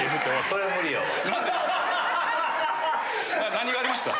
何がありました？